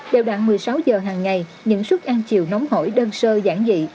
trong ngày này những suất ăn chiều nóng hổi đơn sơ giãn dị